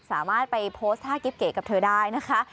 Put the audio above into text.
สามารถไปโพสต์ท่ากิ๊บเก๋กับเธอได้นะคะ